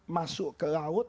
masuk ke laut